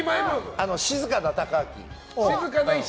静かな貴明。